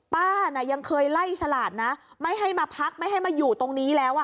ป้าน่ะยังเคยไล่ฉลาดนะไม่ให้มาพักไม่ให้มาอยู่ตรงนี้แล้วอ่ะ